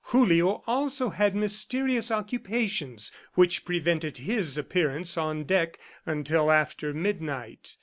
Julio also had mysterious occupations which prevented his appearance on deck until after midnight.